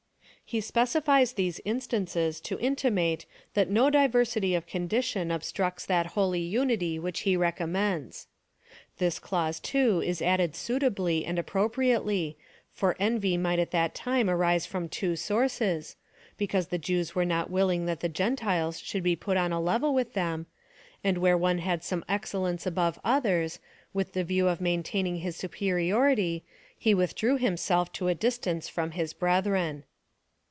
He siDccifies these instances, to intimate, that no diversity of condition obstructs that holy unity which he recommends. This clause, too, is added suit ably and appropriately, for envy might at that time arise from two sources — because the Jews were not willing that the Gentiles should be put ujion a level with them ; and, where one had some excellence above others, witli the view of maintaining his suj^eriority, he withdrew himself to a distance from his brethren.